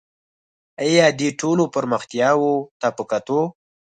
آیا دې ټولو پرمختیاوو ته په کتو